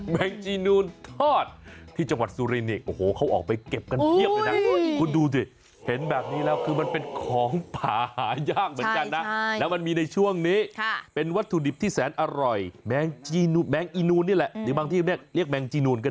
แมงจีนูนทอดที่จังหวัดสุริน